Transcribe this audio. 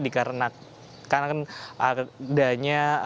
dikarenakan adanya keterangan dari syahrini